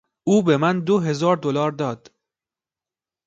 او به من دو هزار دلار داد.